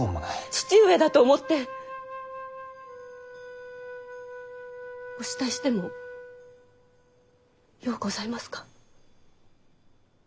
父上だと思ってお慕いしてもようございますか。